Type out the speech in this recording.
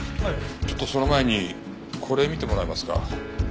ちょっとその前にこれ見てもらえますか？